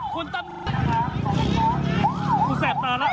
เฮ้ยเฮ้ยแปปนึงพี่เขาพี่เขาพี่เขา